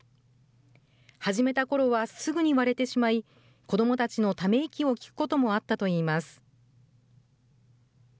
始めたころはすぐに割れてしまい、子どもたちのため息を聞くこともあったといいます。